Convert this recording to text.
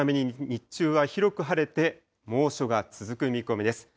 このために日中は広く晴れて、猛暑が続く見込みです。